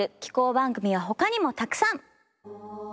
番組はほかにもたくさん！